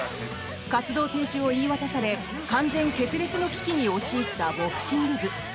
活動停止を言い渡され完全決裂の危機に陥ったボクシング部。